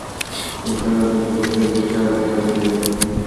নিসার আলি বেঞ্চিতে বসে চায়ের কথা বললেন।